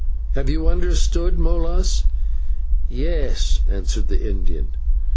Have you understood, Molas?" "Yes," answered the Indian.